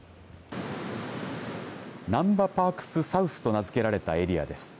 なんばパークスサウスと名付けられたエリアです。